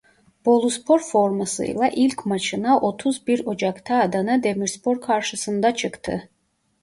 Boluspor formasıyla ilk maçına otuz bir Ocak'ta Adana Demirspor karşısında çıktı.